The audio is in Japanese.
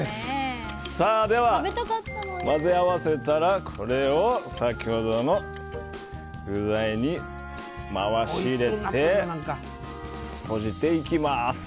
では、混ぜ合わせたらこれを先ほどの具材に回し入れてとじていきます。